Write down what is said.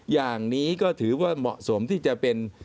อย่างนี้ก็ถือว่าเหมาะสมที่จะเป็น